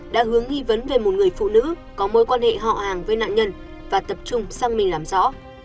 đã hướng nghi vấn về một người phụ nữ có mối quan hệ họ hàng với nạn nhân và tập trung sang mình làm rõ